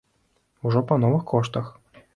Ужо па новых коштах.